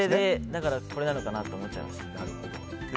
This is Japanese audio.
だから、これなのかなと思っちゃいました。